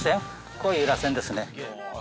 こういう螺旋ですね。